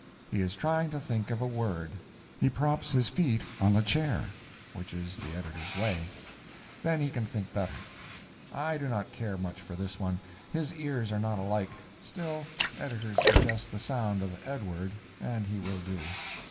He is trying to think of a word. He props his feet on the chair, which is the editor's way; then he can think better. I do not care much for this one; his ears are not alike; still, editor suggests the sound of Edward, and he will do.